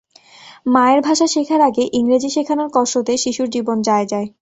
মায়ের ভাষা শেখার আগে ইংরেজি শেখানোর কসরতে শিশুর জীবন যায় যায়।